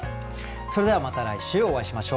それではまた来週お会いしましょう。